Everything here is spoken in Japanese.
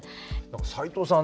斎藤さん